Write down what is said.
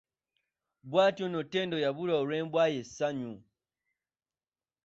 Bwatyo nno Ttendo yabula olw'embwa ye Ssanyu.